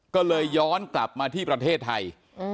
ก็เลยย้อนกลับมาที่ประเทศไทย